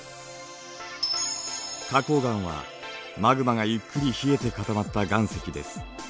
花こう岩はマグマがゆっくり冷えて固まった岩石です。